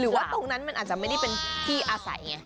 ว่าตรงนั้นมันอาจจะไม่ได้เป็นที่อาศัยไง